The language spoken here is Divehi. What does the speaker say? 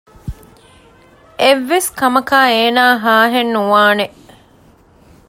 އެއްވެސް ކަމަކާ އޭނާ ހާހެއް ނުވާނެ